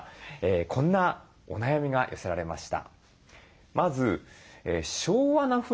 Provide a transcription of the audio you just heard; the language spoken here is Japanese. こんなお悩みが寄せられました。